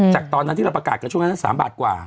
จากตอนที่เราประกาศกับช่วงนั้นก็๓บาทกว่า